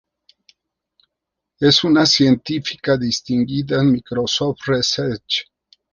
Es una científica distinguida en Microsoft Research.